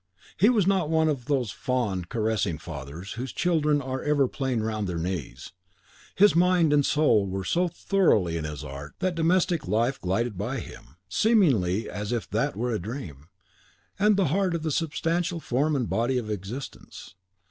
He was not one of those fond, caressing fathers whose children are ever playing round their knees; his mind and soul were so thoroughly in his art that domestic life glided by him, seemingly as if THAT were a dream, and the heart the substantial form and body of existence.